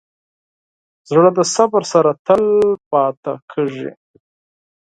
زړه د صبر سره تل پاتې کېږي.